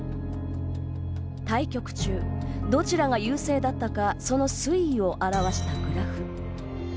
対局中、どちらが優勢だったかその推移を表したグラフ。